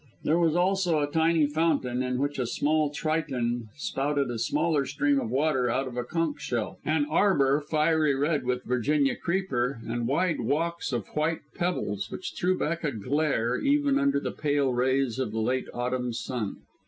There was also a tiny fountain, in which a small Triton spouted a smaller stream of water out of a conch shell, an arbour fiery red with Virginia creeper, and wide walks of white pebbles, which threw back a glare, even under the pale rays of the late autumn sun.